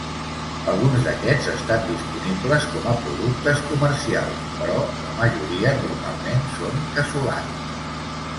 Alguns d'aquests estan disponibles com a productes comercials, però la majoria normalment són casolans.